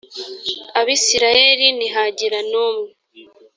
abisirayeli ntihagira n umwe